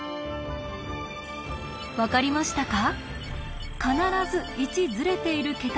分かりましたか？